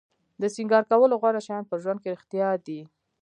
د سینګار کولو غوره شیان په ژوند کې رښتیا دي.